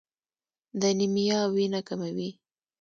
د انیمیا وینه کموي.